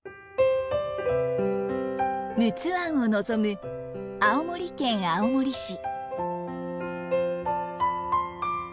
陸奥湾を望む青森県青森市。